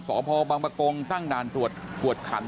สพบังปะกงตั้งด่านตรวจกวดขัน